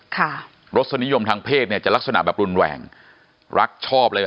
รสนิยมทางเพศเนี่ยจะลักษณะแบบรุนแรงรักชอบเลยอ่ะ